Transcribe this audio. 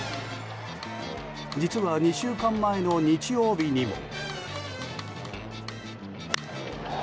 実は２週間前の日曜日にも。